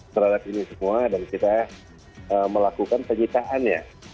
terhadap ini semua dan kita melakukan penyitaannya